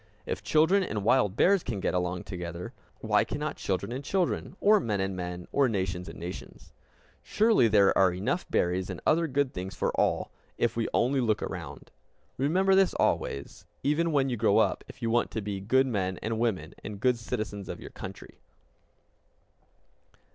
If children and wild bears can get along together, why cannot children and children, or men and men, or nations and nations? Surely there are enough berries and other good things for all, if we only look around! Remember this always, even when you grow up, if you want to be good men and women, and good citizens of your country.